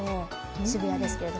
渋谷ですけど